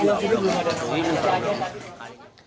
mungkin sampai pagi juga belum